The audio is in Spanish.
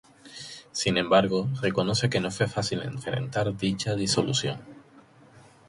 Sin embargo, reconoce que no fue fácil enfrentar dicha disolución.